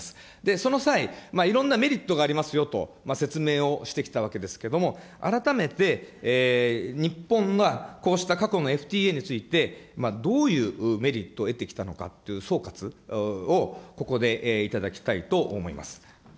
その際、いろんなメリットがありますよと説明をしてきたわけですけども、改めて日本はこうした過去のＦＴＡについて、どういうメリットを得てきたのかっていう総括をここでいただきたいと思います。